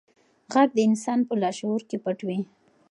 غږ د انسان په لاشعور کې پټ وي.